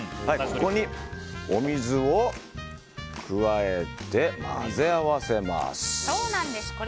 ここにお水を加えて混ぜ合わせます。